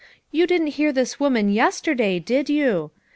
You didn't hear this woman, yesterday, did you!